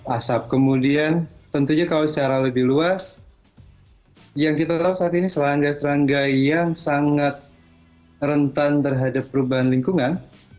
asap kemudian tentunya kalau secara lebih luas yang kita tahu saat ini serangga serangga yang sangat rentan terhadap perubahan lingkungan